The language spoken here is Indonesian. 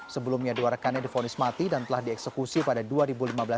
sebelumnya dua rekannya difonis mati dan telah dieksekusi pada dua desember